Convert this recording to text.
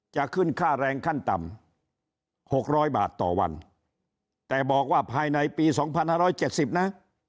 จะขึ้นค่าแรงขั้นต่ำหกร้อยบาทต่อวันแต่บอกว่าภายในปีสองพันห้าร้อยเจ็ดสิบนะ